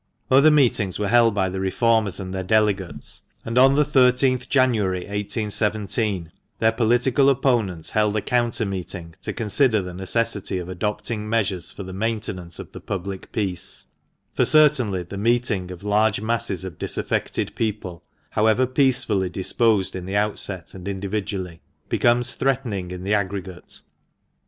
Other meetings were held by the Reformers and their delegates; and on the 13th January, 1817, their political opponents held a counter meeting, to consider the "necessity of adopting measures for the maintenance of the public peace;" for certainly the 174 THE MANCHESTER MAN. meeting of large masses of disaffected people, however peacefully disposed in the outset, and individually, becomes threatening in the aggregate.